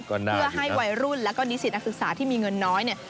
เพื่อให้วัยรุ่นแล้วก็นิสิตนักศึกษาที่มีเงินน้อยเนี่ย